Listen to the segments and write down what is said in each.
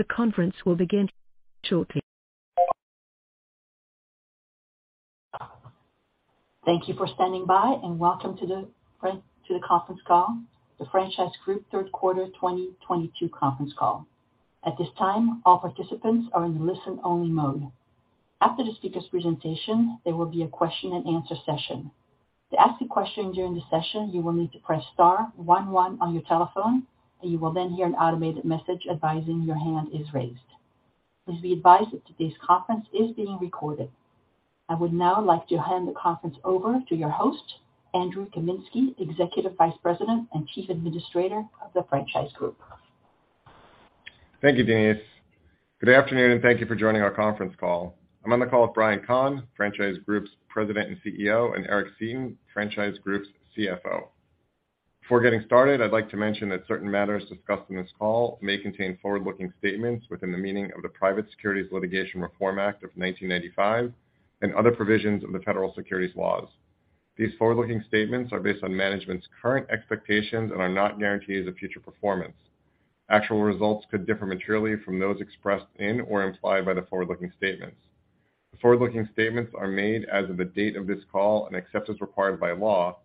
The conference will begin shortly. Thank you for standing by, and welcome to the conference call, the Franchise Group third quarter 2022 conference call. At this time, all participants are in listen-only mode. After the speaker's presentation, there will be a question-and-answer session. To ask a question during the session, you will need to press star one one on your telephone, and you will then hear an automated message advising your hand is raised. Please be advised that today's conference is being recorded. I would now like to hand the conference over to your host, Andrew Kaminsky, Executive Vice President and Chief Administrative Officer of the Franchise Group. Thank you, Denise. Good afternoon, and thank you for joining our conference call. I'm on the call with Brian Kahn, Franchise Group's President and CEO, and Eric Seeton, Franchise Group's CFO. Before getting started, I'd like to mention that certain matters discussed on this call may contain forward-looking statements within the meaning of the Private Securities Litigation Reform Act of 1995 and other provisions of the federal securities laws. These forward-looking statements are based on management's current expectations and are not guarantees of future performance. Actual results could differ materially from those expressed in or implied by the forward-looking statements. The forward-looking statements are made as of the date of this call and except as required by law,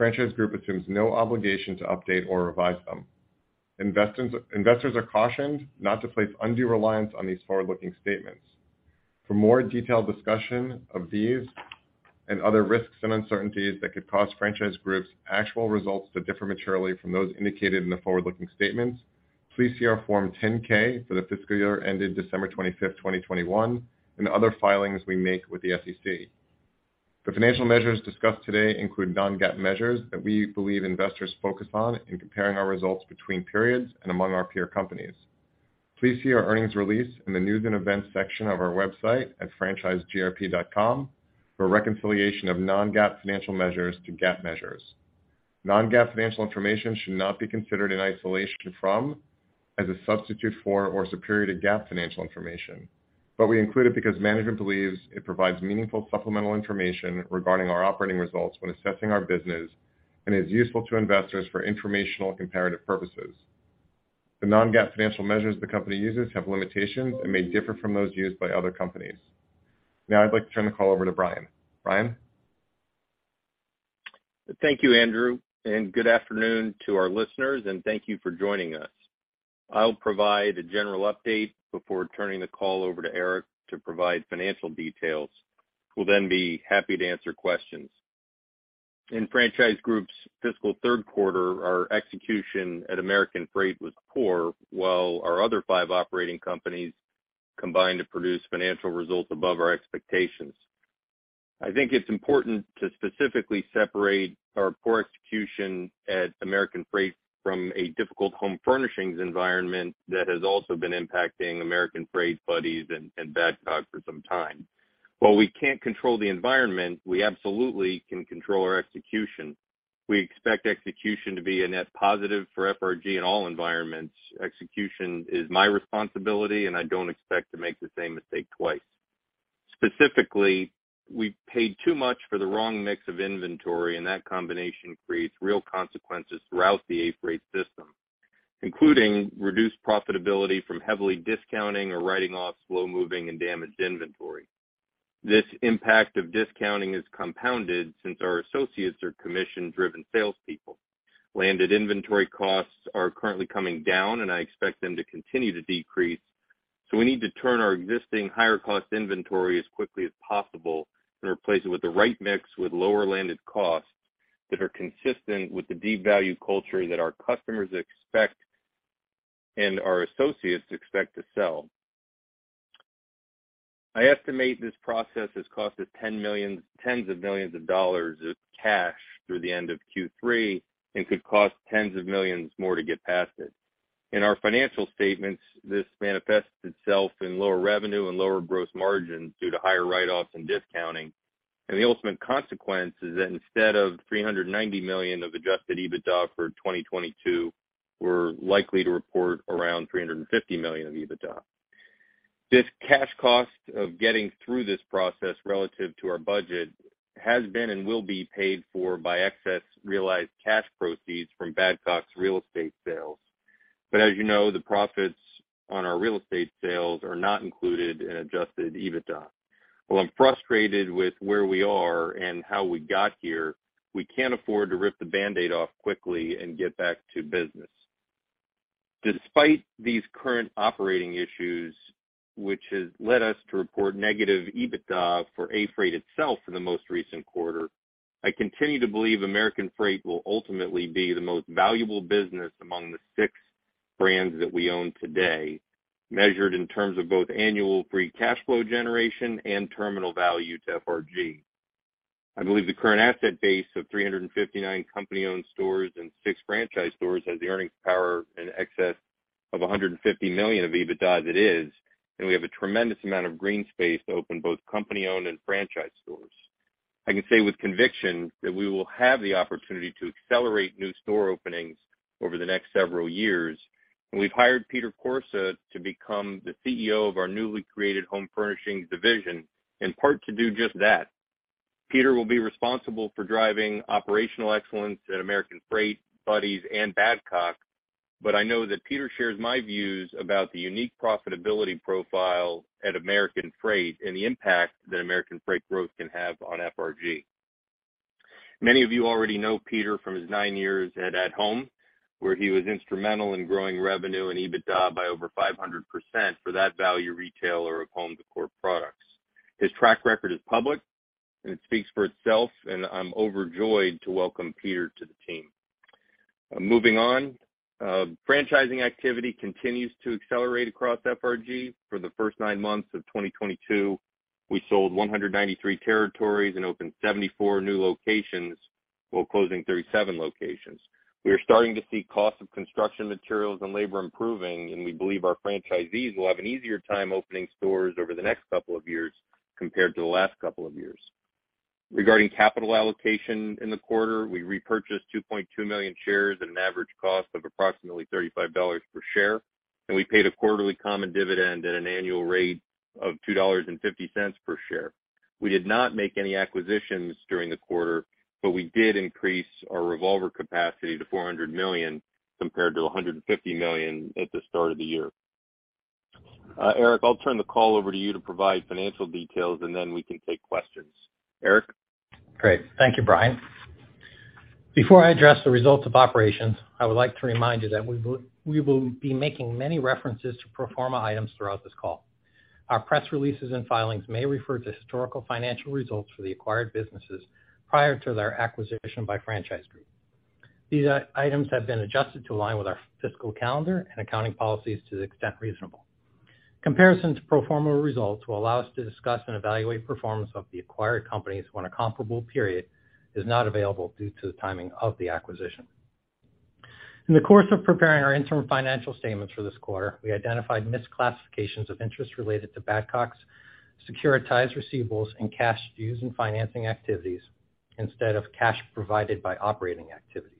Franchise Group assumes no obligation to update or revise them. Investors are cautioned not to place undue reliance on these forward-looking statements. For more detailed discussion of these and other risks and uncertainties that could cause Franchise Group's actual results to differ materially from those indicated in the forward-looking statements, please see our Form 10-K for the fiscal year ended December 25th, 2021, and other filings we make with the SEC. The financial measures discussed today include non-GAAP measures that we believe investors focus on in comparing our results between periods and among our peer companies. Please see our earnings release in the news and events section of our website at franchisegrp.com for a reconciliation of non-GAAP financial measures to GAAP measures. Non-GAAP financial information should not be considered in isolation from, as a substitute for, or superior to GAAP financial information. We include it because management believes it provides meaningful supplemental information regarding our operating results when assessing our business and is useful to investors for informational comparative purposes. The non-GAAP financial measures the company uses have limitations and may differ from those used by other companies. Now I'd like to turn the call over to Brian. Brian? Thank you, Andrew, and good afternoon to our listeners, and thank you for joining us. I'll provide a general update before turning the call over to Eric to provide financial details. We'll then be happy to answer questions. In Franchise Group's fiscal third quarter, our execution at American Freight was poor, while our other five operating companies combined to produce financial results above our expectations. I think it's important to specifically separate our poor execution at American Freight from a difficult home furnishings environment that has also been impacting American Freight, Buddy's, and W.S. Badcock for some time. While we can't control the environment, we absolutely can control our execution. We expect execution to be a net positive for FRG in all environments. Execution is my responsibility, and I don't expect to make the same mistake twice. Specifically, we paid too much for the wrong mix of inventory, and that combination creates real consequences throughout the American Freight system, including reduced profitability from heavily discounting or writing off slow-moving and damaged inventory. This impact of discounting is compounded since our associates are commission-driven salespeople. Landed inventory costs are currently coming down, and I expect them to continue to decrease, so we need to turn our existing higher-cost inventory as quickly as possible and replace it with the right mix with lower landed costs that are consistent with the deep value culture that our customers expect and our associates expect to sell. I estimate this process has cost us tens of millions of dollars of cash through the end of Q3 and could cost tens of millions more to get past it. In our financial statements, this manifests itself in lower revenue and lower gross margins due to higher write-offs and discounting. The ultimate consequence is that instead of $390 million of adjusted EBITDA for 2022, we're likely to report around $350 million of EBITDA. This cash cost of getting through this process relative to our budget has been and will be paid for by excess realized cash proceeds from W.S. Badcock's real estate sales. As you know, the profits on our real estate sales are not included in adjusted EBITDA. While I'm frustrated with where we are and how we got here, we can't afford to rip the Band-Aid off quickly and get back to business. Despite these current operating issues, which has led us to report negative EBITDA for American Freight itself for the most recent quarter, I continue to believe American Freight will ultimately be the most valuable business among the six brands that we own today, measured in terms of both annual free cash flow generation and terminal value to FRG. I believe the current asset base of 359 company-owned stores and six franchise stores has the earnings power in excess of $150 million of EBITDA as it is, and we have a tremendous amount of green space to open both company-owned and franchise stores. I can say with conviction that we will have the opportunity to accelerate new store openings over the next several years, and we've hired Peter Corsa to become the CEO of our newly created home furnishings division, in part to do just that. Peter will be responsible for driving operational excellence at American Freight, Buddy's, and W.S. Badcock. I know that Peter shares my views about the unique profitability profile at American Freight and the impact that American Freight growth can have on FRG. Many of you already know Peter from his nine years at At Home, where he was instrumental in growing revenue and EBITDA by over 500% for that value retailer of home decor products. His track record is public, and it speaks for itself, and I'm overjoyed to welcome Peter to the team. Moving on. Franchising activity continues to accelerate across FRG. For the first 9 months of 2022, we sold 193 territories and opened 74 new locations while closing 37 locations. We are starting to see cost of construction materials and labor improving, and we believe our franchisees will have an easier time opening stores over the next couple of years compared to the last couple of years. Regarding capital allocation in the quarter, we repurchased 2.2 million shares at an average cost of approximately $35 per share, and we paid a quarterly common dividend at an annual rate of $2.50 per share. We did not make any acquisitions during the quarter, but we did increase our revolver capacity to $400 million compared to $150 million at the start of the year. Eric, I'll turn the call over to you to provide financial details, and then we can take questions. Eric? Great. Thank you, Brian. Before I address the results of operations, I would like to remind you that we will be making many references to pro forma items throughout this call. Our press releases and filings may refer to historical financial results for the acquired businesses prior to their acquisition by Franchise Group. These items have been adjusted to align with our fiscal calendar and accounting policies to the extent reasonable. Comparison to pro forma results will allow us to discuss and evaluate performance of the acquired companies when a comparable period is not available due to the timing of the acquisition. In the course of preparing our interim financial statements for this quarter, we identified misclassifications of interest related to W.S. Badcock's securitized receivables and cash used in financing activities instead of cash provided by operating activities.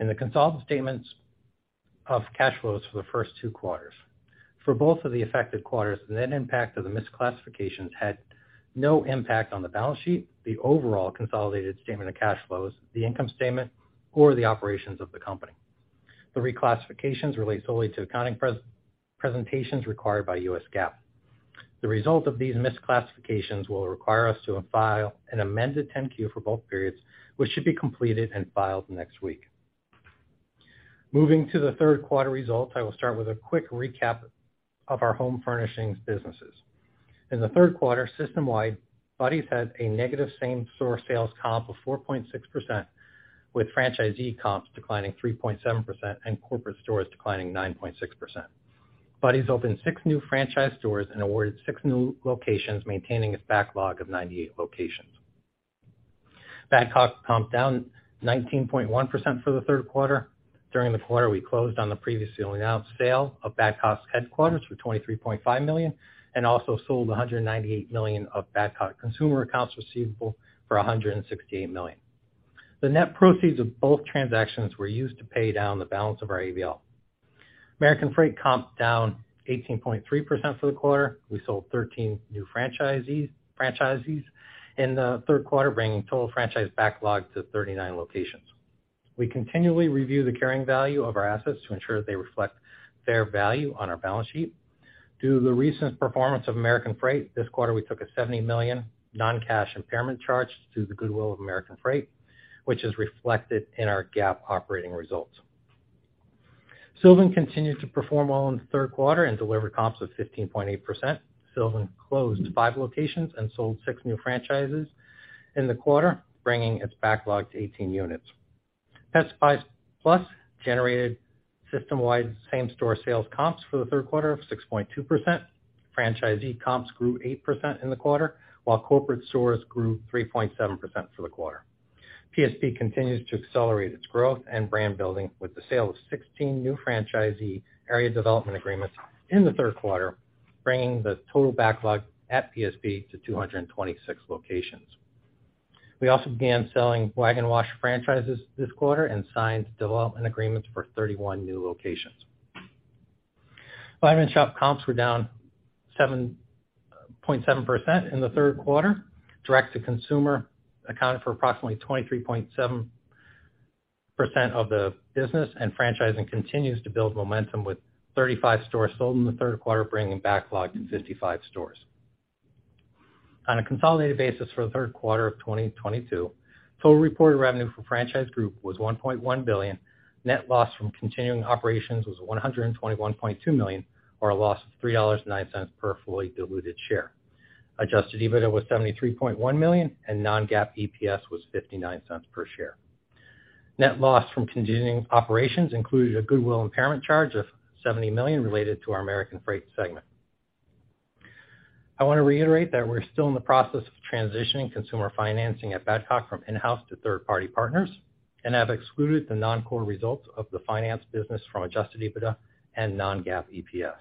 In the consolidated statements of cash flows for the first two quarters. For both of the affected quarters, the net impact of the misclassifications had no impact on the balance sheet, the overall consolidated statement of cash flows, the income statement or the operations of the company. The reclassifications relate solely to accounting presentations required by U.S. GAAP. The result of these misclassifications will require us to file an amended 10-Q for both periods, which should be completed and filed next week. Moving to the third quarter results, I will start with a quick recap of our home furnishings businesses. In the third quarter, system-wide, Buddy's had a negative same-store sales comp of 4.6%, with franchisee comps declining 3.7% and corporate stores declining 9.6%. Buddy's opened six new franchise stores and awarded six new locations, maintaining its backlog of 98 locations. W.S. Badcock comp down 19.1% for the third quarter. During the quarter, we closed on the previously announced sale of W.S. Badcock's headquarters for $23.5 million and also sold $198 million of W.S. Badcock consumer accounts receivable for $168 million. The net proceeds of both transactions were used to pay down the balance of our ABL. American Freight comp down 18.3% for the quarter. We sold 13 new franchisees in the third quarter, bringing total franchise backlog to 39 locations. We continually review the carrying value of our assets to ensure they reflect fair value on our balance sheet. Due to the recent performance of American Freight, this quarter we took a $70 million non-cash impairment charge to the goodwill of American Freight, which is reflected in our GAAP operating results. Sylvan continued to perform well in the third quarter and delivered comps of 15.8%. Sylvan closed five locations and sold six new franchises in the quarter, bringing its backlog to 18 units. Pet Supplies Plus generated system-wide same-store sales comps for the third quarter of 6.2%. Franchisee comps grew 8% in the quarter, while corporate stores grew 3.7% for the quarter. PSP continues to accelerate its growth and brand building with the sale of 16 new franchisee area development agreements in the third quarter, bringing the total backlog at PSB to 226 locations. We also began selling Wag N' Wash franchises this quarter and signed development agreements for 31 new locations. Vitamin Shoppe comps were down 7.7% in the third quarter. Direct-to-consumer accounted for approximately 23.7% of the business, and franchising continues to build momentum with 35 stores sold in the third quarter, bringing backlog to 55 stores. On a consolidated basis for the third quarter of 2022, total reported revenue for Franchise Group was $1.1 billion. Net loss from continuing operations was $121.2 million or a loss of $3.09 per fully diluted share. Adjusted EBITDA was $73.1 million and non-GAAP EPS was $0.59 per share. Net loss from continuing operations included a goodwill impairment charge of $70 million related to our American Freight segment. I want to reiterate that we're still in the process of transitioning consumer financing at W.S. Badcock from in-house to third-party partners and have excluded the non-core results of the finance business from adjusted EBITDA and non-GAAP EPS.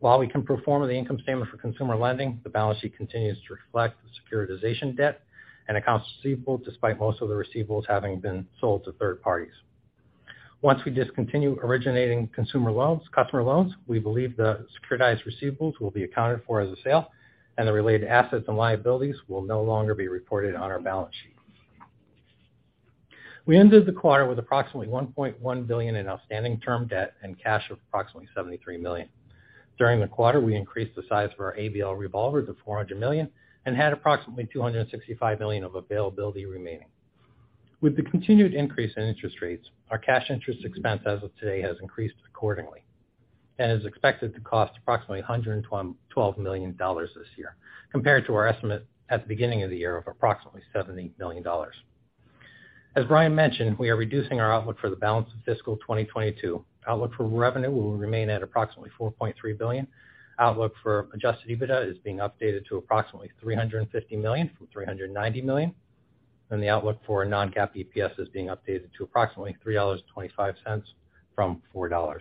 While we can perform the income statement for consumer lending, the balance sheet continues to reflect the securitization debt and accounts receivable, despite most of the receivables having been sold to third parties. Once we discontinue originating consumer loans, customer loans, we believe the securitized receivables will be accounted for as a sale and the related assets and liabilities will no longer be reported on our balance sheet. We ended the quarter with approximately $1.1 billion in outstanding term debt and cash of approximately $73 million. During the quarter, we increased the size of our ABL revolver to $400 million and had approximately $265 million of availability remaining. With the continued increase in interest rates, our cash interest expense as of today has increased accordingly and is expected to cost approximately $112 million this year compared to our estimate at the beginning of the year of approximately $70 million. As Brian mentioned, we are reducing our outlook for the balance of fiscal 2022. Outlook for revenue will remain at approximately $4.3 billion. Outlook for adjusted EBITDA is being updated to approximately $350 million from $390 million. The outlook for non-GAAP EPS is being updated to approximately $3.25 from $4.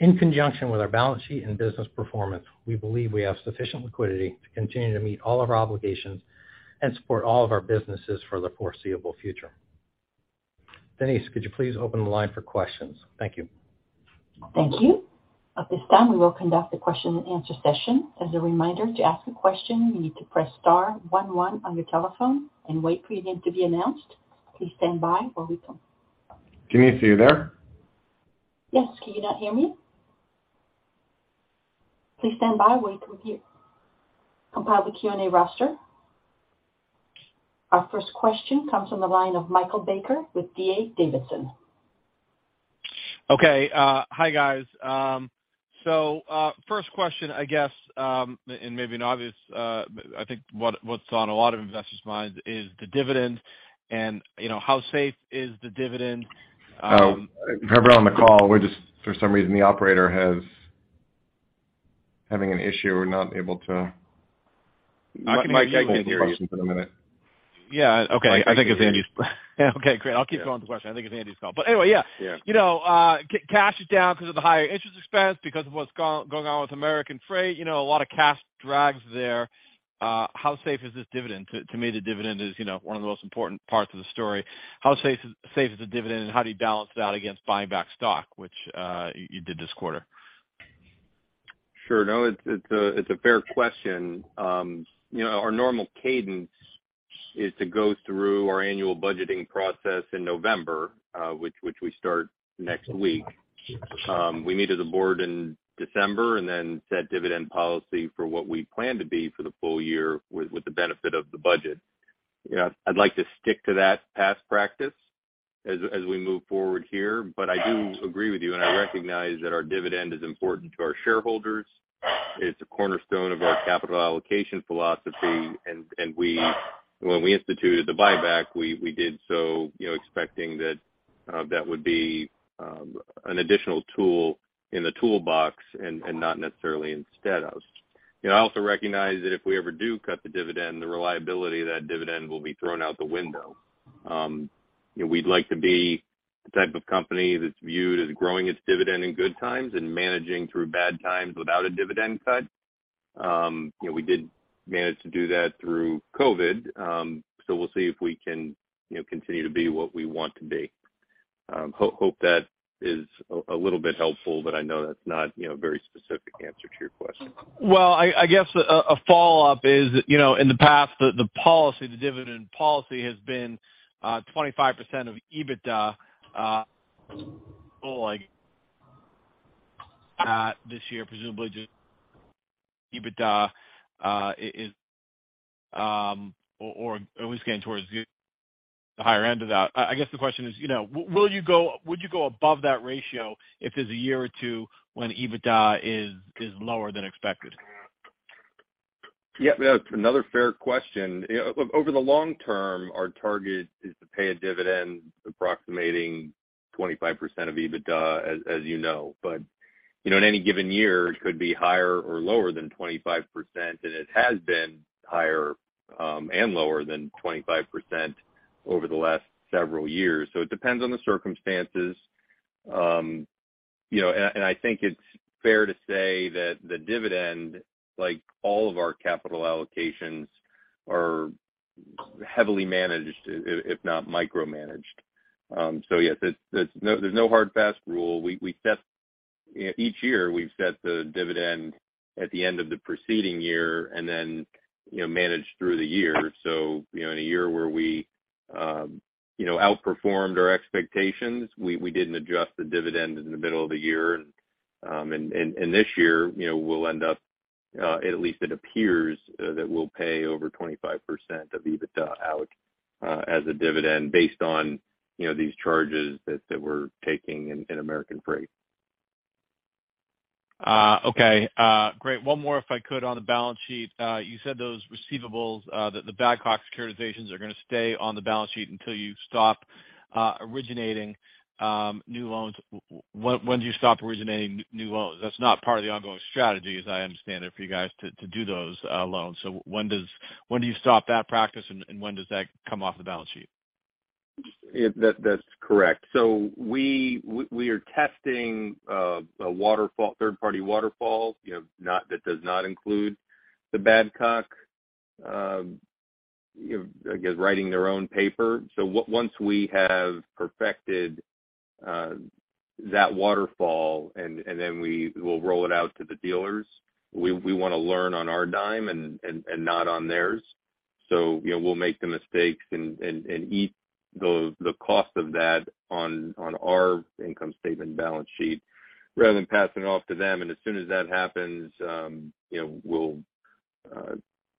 In conjunction with our balance sheet and business performance, we believe we have sufficient liquidity to continue to meet all of our obligations and support all of our businesses for the foreseeable future. Denise, could you please open the line for questions? Thank you. Thank you. At this time, we will conduct a question and answer session. As a reminder, to ask a question, you need to press star one one on your telephone and wait for your name to be announced. Please stand by while we com- Denise, are you there? Yes. Can you not hear me? Please stand by. Wait till we compile the Q&A roster. Our first question comes from the line of Michael Baker with D.A. Davidson. Okay. Hi, guys. First question I guess, and maybe an obvious, I think what's on a lot of investors' minds is the dividend and, you know, how safe is the dividend? Everyone on the call, for some reason, the operator is having an issue. We're not able to- Mike, I can hear you. -for a minute. Yeah. Okay. I think it's Andrew's. Okay, great. I'll keep going with the question. I think it's Andrew's call. Anyway, yeah. Yeah. You know, cash is down because of the higher interest expense, because of what's going on with American Freight, you know, a lot of cash drags there. How safe is this dividend? To me the dividend is, you know, one of the most important parts of the story. How safe is the dividend and how do you balance it out against buying back stock, which, you did this quarter? Sure. No, it's a fair question. You know, our normal cadence is to go through our annual budgeting process in November, which we start next week. We meet as a board in December and then set dividend policy for what we plan to be for the full year with the benefit of the budget. You know, I'd like to stick to that past practice as we move forward here, but I do agree with you, and I recognize that our dividend is important to our shareholders. It's a cornerstone of our capital allocation philosophy. When we instituted the buyback, we did so, you know, expecting that that would be an additional tool in the toolbox and not necessarily instead of. You know, I also recognize that if we ever do cut the dividend, the reliability of that dividend will be thrown out the window. You know, we'd like to be the type of company that's viewed as growing its dividend in good times and managing through bad times without a dividend cut. You know, we did manage to do that through COVID, so we'll see if we can, you know, continue to be what we want to be. Hope that is a little bit helpful, but I know that's not, you know, a very specific answer to your question. Well, I guess a follow-up is, you know, in the past, the policy, the dividend policy has been 25% of EBITDA this year, presumably just EBITDA is or are we scaling towards the higher end of that? I guess the question is, you know, would you go above that ratio if there's a year or two when EBITDA is lower than expected? Yeah, that's another fair question. You know, over the long term, our target is to pay a dividend approximating 25% of EBITDA, as you know. You know, in any given year, it could be higher or lower than 25%, and it has been higher, and lower than 25% over the last several years. It depends on the circumstances. You know, I think it's fair to say that the dividend, like all of our capital allocations, are heavily managed, if not micromanaged. Yes, it's no hard-and-fast rule. Each year, we've set the dividend at the end of the preceding year and then, you know, manage through the year. You know, in a year where we outperformed our expectations, we didn't adjust the dividend in the middle of the year. This year, you know, we'll end up, at least it appears that we'll pay over 25% of EBITDA out as a dividend based on, you know, these charges that we're taking in American Freight. Okay. Great. One more if I could on the balance sheet. You said those receivables, that the W.S. Badcock securitizations are gonna stay on the balance sheet until you stop originating new loans. When do you stop originating new loans? That's not part of the ongoing strategy, as I understand it, for you guys to do those loans. So when do you stop that practice, and when does that come off the balance sheet? Yeah, that's correct. We are testing a third-party waterfall that does not include the W.S. Badcock, I guess writing their own paper. Once we have perfected that waterfall and then we will roll it out to the dealers, we wanna learn on our dime and not on theirs. We'll make the mistakes and eat the cost of that on our income statement balance sheet rather than passing it off to them. As soon as that happens, we'll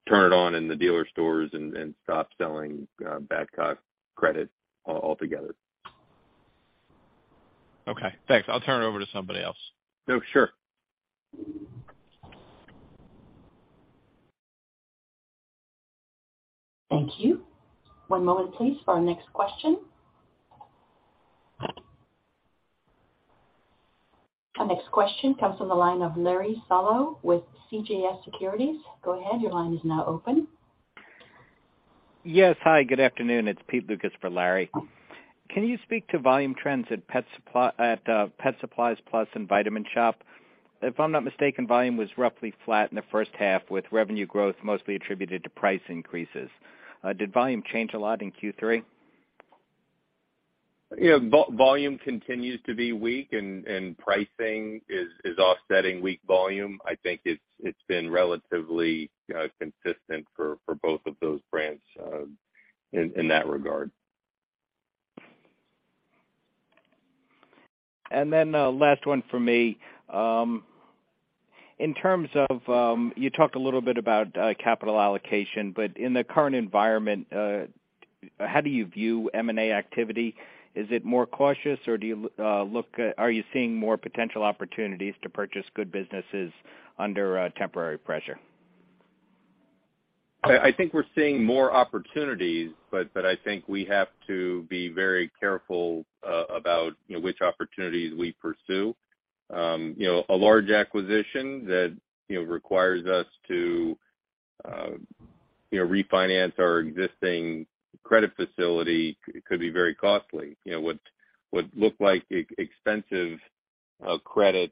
turn it on in the dealer stores and stop selling W.S. Badcock credit altogether. Okay, thanks. I'll turn it over to somebody else. No, sure. Thank you. One moment please for our next question. Our next question comes from the line of Larry Solow with CJS Securities. Go ahead, your line is now open. Yes. Hi, good afternoon. It's Pete Lucas for Larry. Can you speak to volume trends at Pet Supplies Plus and Vitamin Shoppe? If I'm not mistaken, volume was roughly flat in the first half with revenue growth mostly attributed to price increases. Did volume change a lot in Q3? Yeah. Volume continues to be weak and pricing is offsetting weak volume. I think it's been relatively consistent for both of those brands in that regard. Last one for me. In terms of, you talked a little bit about capital allocation, but in the current environment, how do you view M&A activity? Is it more cautious or are you seeing more potential opportunities to purchase good businesses under temporary pressure? I think we're seeing more opportunities, but I think we have to be very careful about, you know, which opportunities we pursue. You know, a large acquisition that, you know, requires us to, you know, refinance our existing credit facility could be very costly. You know, what looked like expensive credit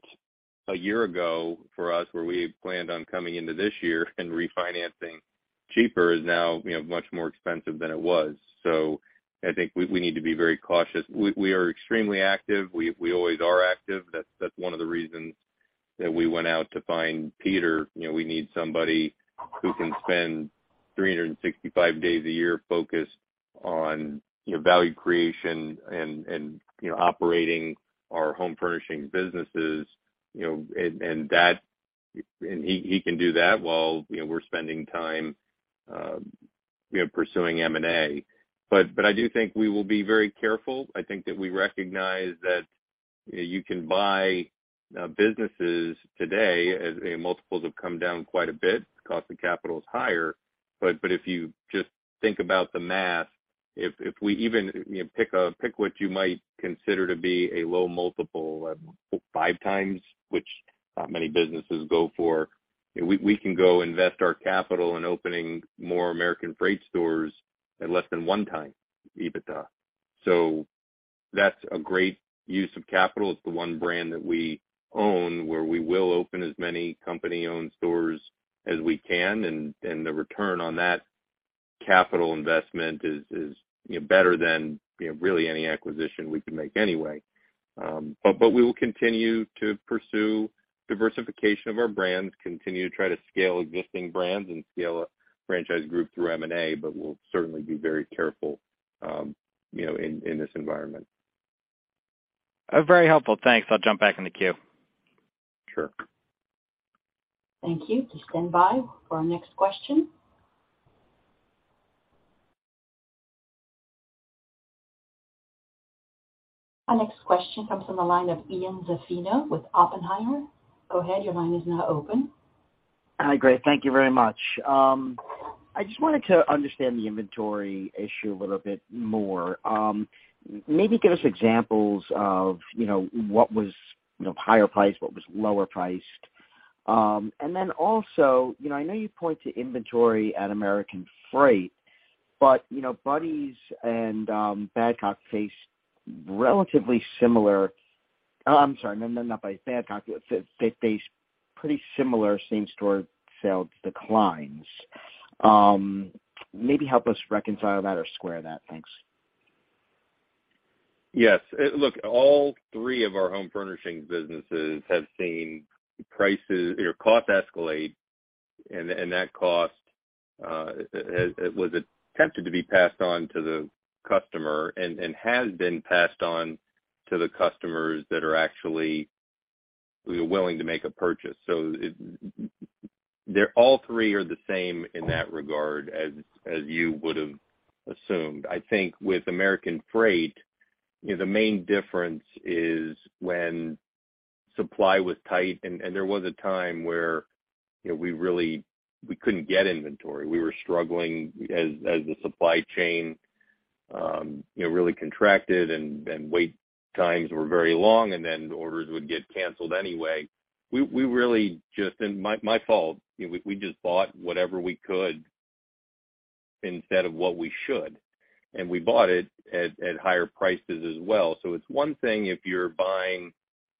a year ago for us, where we planned on coming into this year and refinancing cheaper is now, you know, much more expensive than it was. I think we need to be very cautious. We are extremely active. We always are active. That's one of the reasons that we went out to find Peter. You know, we need somebody who can spend 365 days a year focused on, you know, value creation and, you know, operating our home furnishings businesses, you know. He can do that while, you know, we're spending time, you know, pursuing M&A. I do think we will be very careful. I think that we recognize that, you know, you can buy businesses today as, you know, multiples have come down quite a bit. Cost of capital is higher. If you just think about the math, if we even, you know, pick what you might consider to be a low multiple, 5x, which not many businesses go for. We can go invest our capital in opening more American Freight stores at less than 1x EBITDA. That's a great use of capital. It's the one brand that we own where we will open as many company-owned stores as we can, and the return on that capital investment is, you know, better than, you know, really any acquisition we can make anyway. We will continue to pursue diversification of our brands, continue to try to scale existing brands and scale our franchise group through M&A, but we'll certainly be very careful, you know, in this environment. Very helpful. Thanks. I'll jump back in the queue. Sure. Thank you. Please stand by for our next question. Our next question comes from the line of Ian Zaffino with Oppenheimer. Go ahead, your line is now open. Hi. Great. Thank you very much. I just wanted to understand the inventory issue a little bit more. Maybe give us examples of, you know, what was, you know, higher priced, what was lower priced. Also, you know, I know you point to inventory at American Freight, but you know, Buddy's and W.S. Badcock face relatively similar. Oh, I'm sorry. No, no, not W.S. Badcock. They face pretty similar same-store sales declines. Maybe help us reconcile that or square that. Thanks. Yes. Look, all three of our home furnishing businesses have seen prices, you know, costs escalate. That cost was attempted to be passed on to the customer and has been passed on to the customers that are actually willing to make a purchase. They're all three are the same in that regard as you would've assumed. I think with American Freight, you know, the main difference is when supply was tight and there was a time where, you know, we couldn't get inventory. We were struggling as the supply chain, you know, really contracted and wait times were very long, and then orders would get canceled anyway. We really just. My fault, you know, we just bought whatever we could instead of what we should, and we bought it at higher prices as well. It's one thing if you're buying,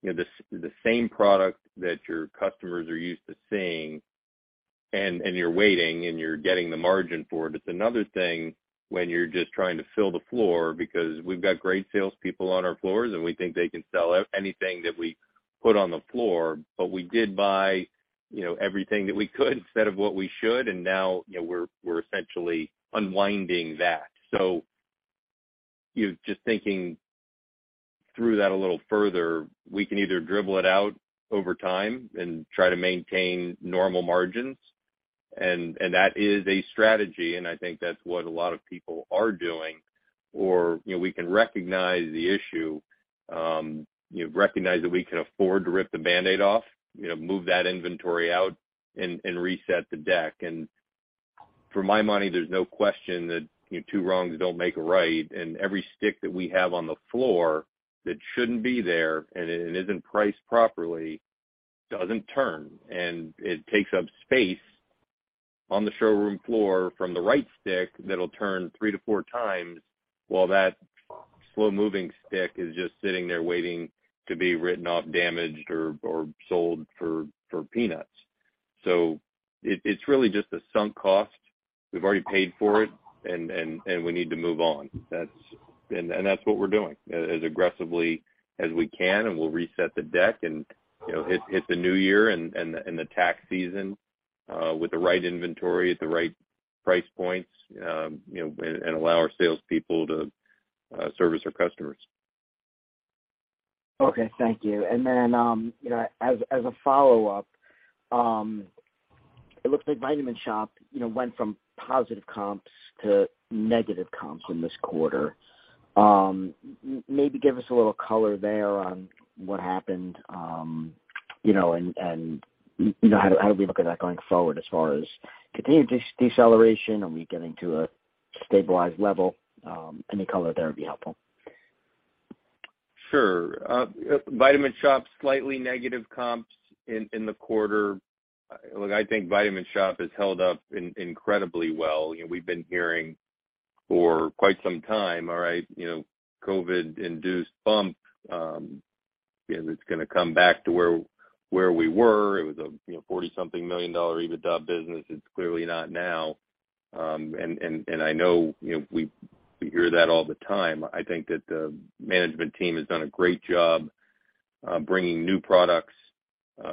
you know, the same product that your customers are used to seeing and you're waiting and you're getting the margin for it. It's another thing when you're just trying to fill the floor because we've got great salespeople on our floors, and we think they can sell anything that we put on the floor. We did buy, you know, everything that we could instead of what we should. Now, you know, we're essentially unwinding that. You know, just thinking through that a little further, we can either dribble it out over time and try to maintain normal margins, and that is a strategy, and I think that's what a lot of people are doing. You know, we can recognize the issue, you know, recognize that we can afford to rip the Band-Aid off, you know, move that inventory out and reset the deck. For my money, there's no question that, you know, two wrongs don't make a right. Every stick that we have on the floor that shouldn't be there and isn't priced properly doesn't turn, and it takes up space on the showroom floor from the right stick that'll turn 3x-4x while that slow-moving stick is just sitting there waiting to be written off, damaged, or sold for peanuts. It's really just a sunk cost. We've already paid for it, and we need to move on. That's what we're doing as aggressively as we can, and we'll reset the deck and, you know, hit the new year and the tax season with the right inventory at the right price points, you know, and allow our salespeople to service our customers. Okay. Thank you. Then, you know, as a follow-up, it looks like Vitamin Shoppe, you know, went from positive comps to negative comps in this quarter. Maybe give us a little color there on what happened, you know, and you know, how do we look at that going forward as far as continued deceleration? Are we getting to a stabilized level? Any color there would be helpful. Sure. Vitamin Shoppe, slightly negative comps in the quarter. Look, I think Vitamin Shoppe has held up incredibly well. You know, we've been hearing for quite some time, all right, you know, COVID-induced bump, you know, it's gonna come back to where we were. It was a you know, 40-something million dollar EBITDA business. It's clearly not now. And I know, you know, we hear that all the time. I think that the management team has done a great job bringing new products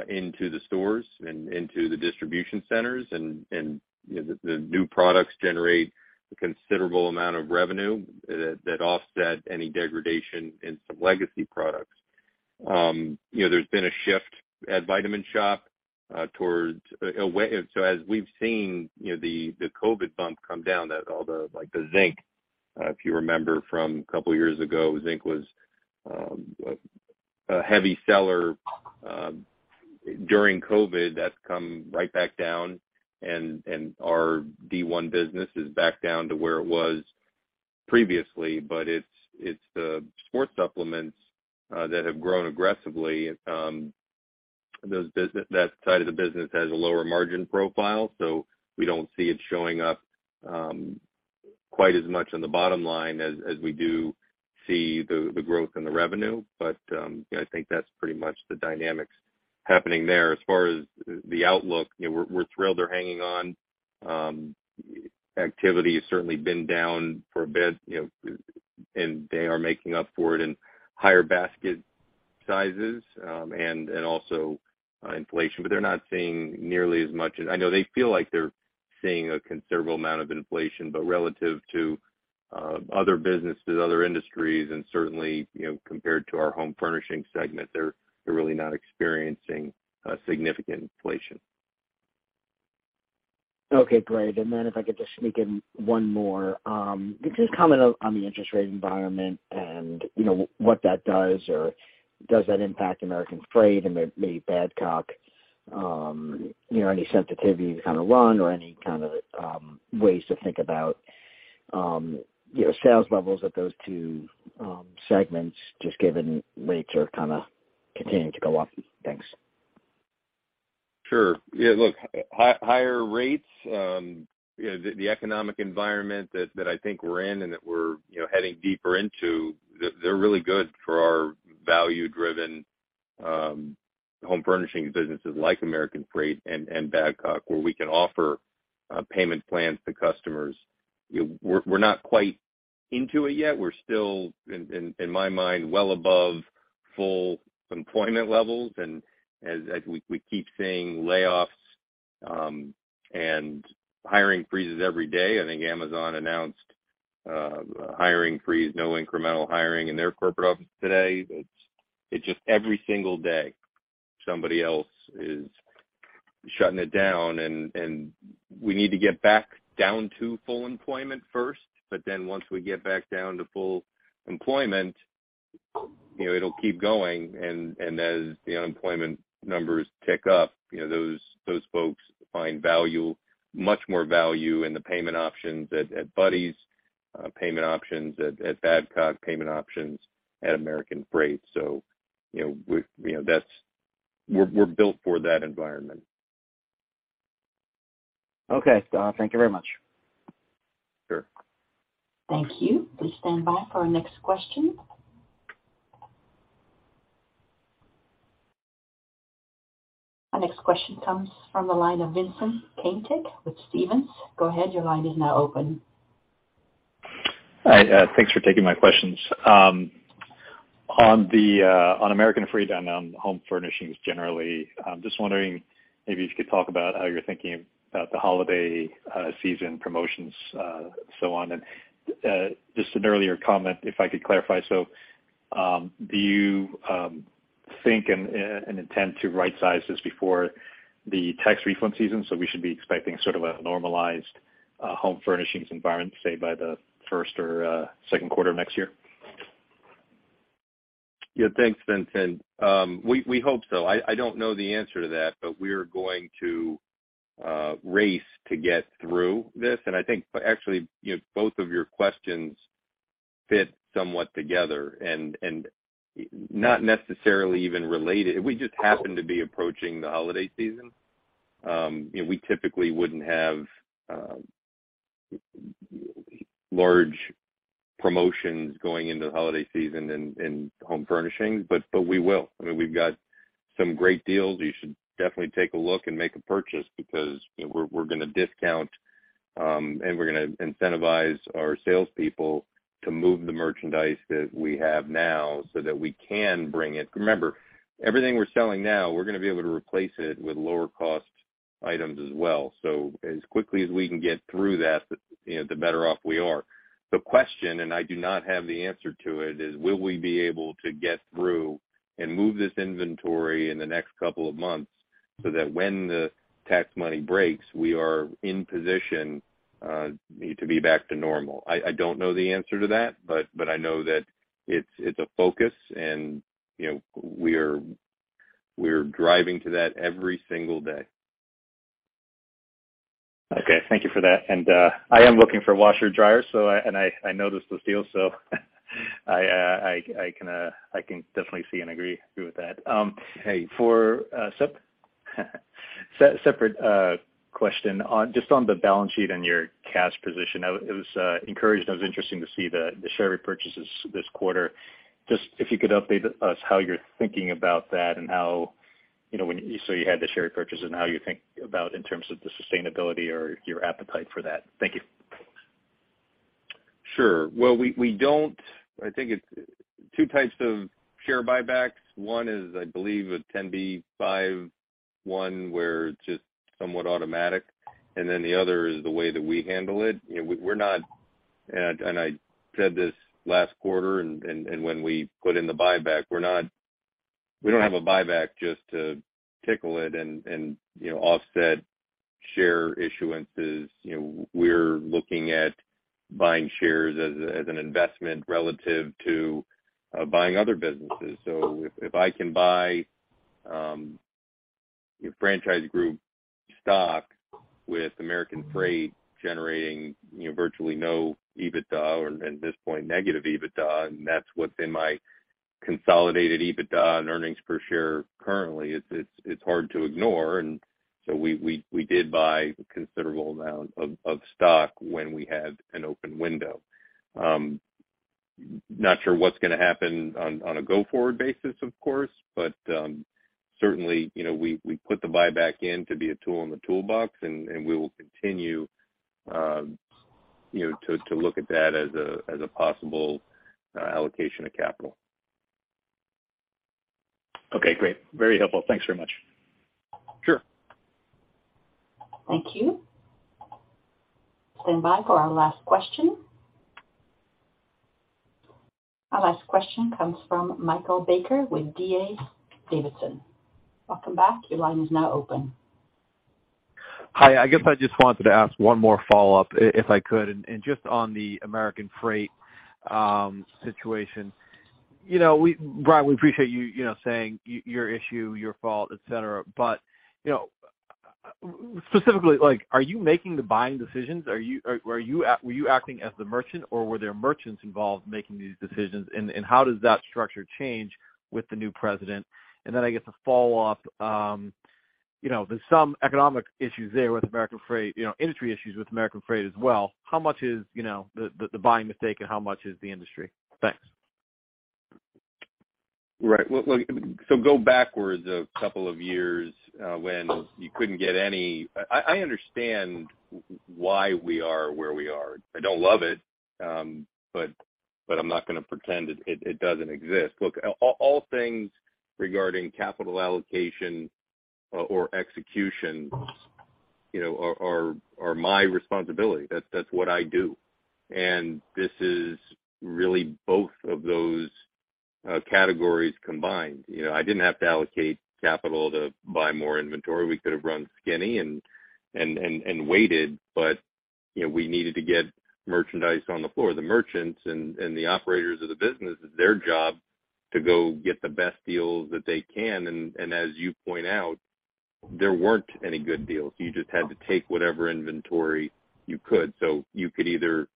into the stores and into the distribution centers. You know, the new products generate a considerable amount of revenue that offset any degradation in some legacy products. You know, there's been a shift at Vitamin Shoppe. As we've seen, you know, the COVID bump come down, all the, like the zinc, if you remember from a couple years ago, zinc was a heavy seller during COVID. That's come right back down, and our D1 business is back down to where it was previously. It's the sports supplements that have grown aggressively. That side of the business has a lower margin profile, so we don't see it showing up quite as much on the bottom line as we do see the growth in the revenue. You know, I think that's pretty much the dynamics happening there. As far as the outlook, you know, we're thrilled they're hanging on. Activity has certainly been down for a bit, you know, and they are making up for it in higher basket sizes, and also inflation. They're not seeing nearly as much. I know they feel like they're seeing a considerable amount of inflation, but relative to other businesses, other industries and certainly, you know, compared to our home furnishings segment, they're really not experiencing significant inflation. Okay, great. Then if I could just sneak in one more. Could you just comment on the interest rate environment and you know, what that does? Or does that impact American Freight and maybe W.S. Badcock? You know, any sensitivity you kind of run or any kind of ways to think about you know, sales levels at those two segments just given rates are kind of continuing to go up? Thanks. Sure. Yeah, look, higher rates, you know, the economic environment that I think we're in and that we're, you know, heading deeper into, they're really good for our value-driven home furnishings businesses like American Freight and W.S. Badcock, where we can offer payment plans to customers. You know, we're not quite into it yet. We're still in my mind well above full employment levels. As we keep seeing layoffs and hiring freezes every day. I think Amazon announced a hiring freeze, no incremental hiring in their corporate office today. It's just every single day somebody else is shutting it down, and we need to get back down to full employment first. Then once we get back down to full employment, you know, it'll keep going. As the unemployment numbers tick up, you know, those folks find value, much more value in the payment options at Buddy's, payment options at W.S. Badcock, payment options at American Freight. You know, that we're built for that environment. Okay. Thank you very much. Sure. Thank you. Please stand by for our next question. Our next question comes from the line of Vincent Caintic with Stephens. Go ahead. Your line is now open. Hi. Thanks for taking my questions. On American Freight and on home furnishings generally, I'm just wondering maybe if you could talk about how you're thinking about the holiday season promotions, so on. Just an earlier comment, if I could clarify. Do you think and intend to rightsize this before the tax refund season, so we should be expecting sort of a normalized home furnishings environment, say, by the first or second quarter of next year? Yeah, thanks, Vincent. We hope so. I don't know the answer to that, but we're going to race to get through this. I think actually, you know, both of your questions fit somewhat together and not necessarily even related. We just happen to be approaching the holiday season. You know, we typically wouldn't have large promotions going into the holiday season in home furnishings, but we will. I mean, we've got some great deals. You should definitely take a look and make a purchase because, you know, we're gonna discount and we're gonna incentivize our salespeople to move the merchandise that we have now so that we can bring it. Remember, everything we're selling now, we're gonna be able to replace it with lower cost items as well. As quickly as we can get through that, the, you know, the better off we are. The question, and I do not have the answer to it, is will we be able to get through and move this inventory in the next couple of months so that when the tax money breaks, we are in position to be back to normal? I don't know the answer to that, but I know that it's a focus and, you know, we're driving to that every single day. Okay. Thank you for that. I am looking for a washer dryer, and I noticed those deals, so I can definitely see and agree with that. Hey. For separate question on just on the balance sheet and your cash position, I was encouraged and it was interesting to see the share repurchases this quarter. Just if you could update us how you're thinking about that and how you know so you had the share repurchase and how you think about in terms of the sustainability or your appetite for that. Thank you. Sure. Well, we don't. I think it's two types of share buybacks. One is, I believe, a 10b5-1 where it's just somewhat automatic, and then the other is the way that we handle it. You know, we're not. I said this last quarter and when we put in the buyback, we're not, we don't have a buyback just to tickle it and, you know, offset share issuances. You know, we're looking at buying shares as an investment relative to buying other businesses. So if I can buy your Franchise Group stock with American Freight generating virtually no EBITDA or at this point negative EBITDA, and that's what's in my consolidated EBITDA and earnings per share currently, it's hard to ignore. We did buy a considerable amount of stock when we had an open window. Not sure what's gonna happen on a go-forward basis, of course, but certainly, you know, we put the buyback in to be a tool in the toolbox and we will continue, you know, to look at that as a possible allocation of capital. Okay, great. Very helpful. Thanks very much. Sure. Thank you. Stand by for our last question. Our last question comes from Michael Baker with D.A. Davidson. Welcome back. Your line is now open. Hi. I guess I just wanted to ask one more follow-up if I could, and just on the American Freight situation. You know, Brian, we appreciate you know, saying your issue, your fault, et cetera. You know, specifically, like, are you making the buying decisions? Are you or were you acting as the merchant or were there merchants involved making these decisions? How does that structure change with the new president? I guess a follow-up, you know, there's some economic issues there with American Freight, you know, industry issues with American Freight as well. How much is, you know, the buying mistake and how much is the industry? Thanks. Right. Well, look, go backwards a couple of years, when you couldn't get any. I understand why we are where we are. I don't love it, but I'm not gonna pretend it doesn't exist. Look, all things regarding capital allocation or execution, you know, are my responsibility. That's what I do. This is really both of those categories combined. You know, I didn't have to allocate capital to buy more inventory. We could have run skinny and waited, but you know, we needed to get merchandise on the floor. The merchants and the operators of the business, it's their job to go get the best deals that they can. As you point out, there weren't any good deals. You just had to take whatever inventory you could. You could either.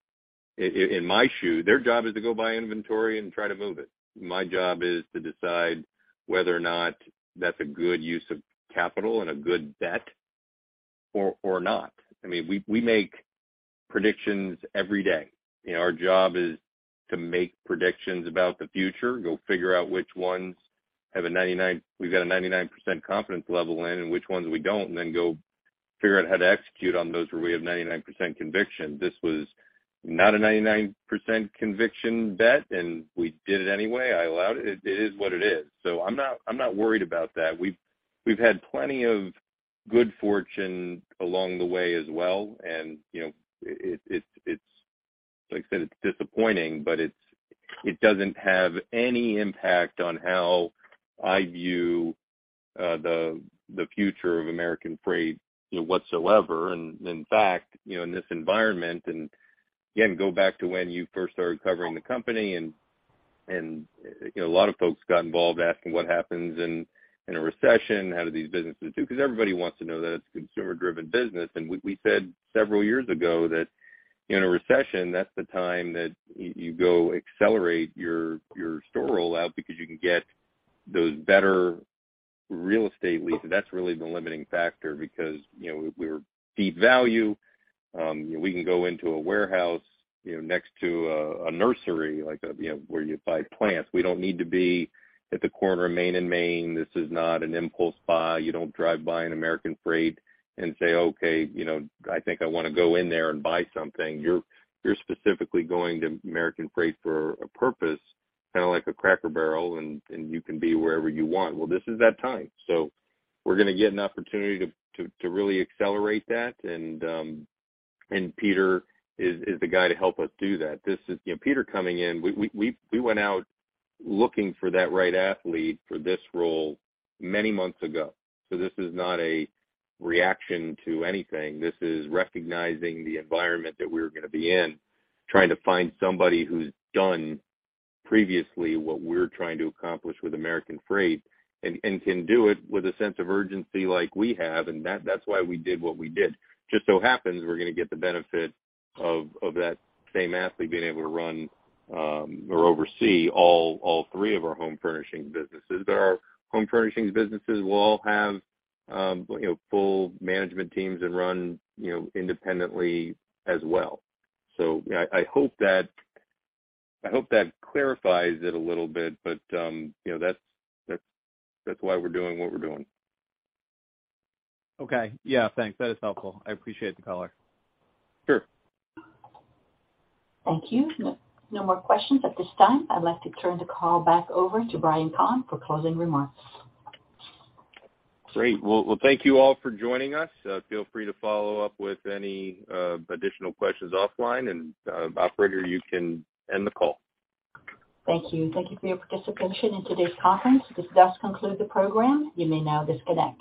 In my shoes, their job is to go buy inventory and try to move it. My job is to decide whether or not that's a good use of capital and a good bet or not. I mean, we make predictions every day. You know, our job is to make predictions about the future, go figure out which ones have a 99% confidence level in and which ones we don't, and then go figure out how to execute on those where we have 99% conviction. This was not a 99% conviction bet, and we did it anyway. I allowed it. It is what it is. I'm not worried about that. We've had plenty of good fortune along the way as well. You know, it's like I said, it's disappointing, but it doesn't have any impact on how I view the future of American Freight, you know, whatsoever. In fact, you know, in this environment, and again, go back to when you first started covering the company and, you know, a lot of folks got involved asking what happens in a recession, how do these businesses do? Because everybody wants to know that it's consumer-driven business. We said several years ago that in a recession, that's the time that you go accelerate your store rollout because you can get those better real estate leases. That's really the limiting factor because, you know, we're deep value. We can go into a warehouse, you know, next to a nursery, like a, you know, where you buy plants. We don't need to be at the corner of Main and Main. This is not an impulse buy. You don't drive by an American Freight and say, "Okay, you know, I think I wanna go in there and buy something." You're specifically going to American Freight for a purpose, kinda like a Cracker Barrel, and you can be wherever you want. Well, this is that time. We're gonna get an opportunity to really accelerate that. Peter is the guy to help us do that. You know, Peter coming in, we went out looking for that right athlete for this role many months ago. This is not a reaction to anything. This is recognizing the environment that we're gonna be in, trying to find somebody who's done previously what we're trying to accomplish with American Freight and can do it with a sense of urgency like we have, and that's why we did what we did. Just so happens we're gonna get the benefit of that same athlete being able to run or oversee all three of our home furnishings businesses. Our home furnishings businesses will all have you know full management teams and run you know independently as well. I hope that clarifies it a little bit, but you know that's why we're doing what we're doing. Okay. Yeah. Thanks. That is helpful. I appreciate the color. Sure. Thank you. No, no more questions at this time. I'd like to turn the call back over to Brian Kahn for closing remarks. Great. Well, thank you all for joining us. Feel free to follow up with any additional questions offline. Operator, you can end the call. Thank you. Thank you for your participation in today's conference. This does conclude the program. You may now disconnect.